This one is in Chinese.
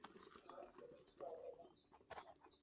类似的情况也出现在很多其他化合物中。